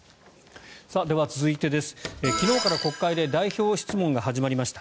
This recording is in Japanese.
では続いてです、昨日から国会で代表質問が始まりました。